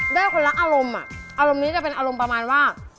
ได้คนละอารมณ์อารมณ์นี้จะเป็นอารมณ์ประมาณว่า